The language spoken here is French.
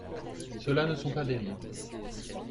Ceux-là ne sont pas des livres.